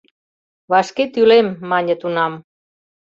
— Вашке тӱлем, мане тунам.